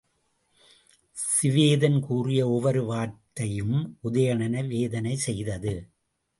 சிவேதன் கூறிய ஒவ்வொரு வார்த்தையும் உதயணனை வேதனை செய்தது.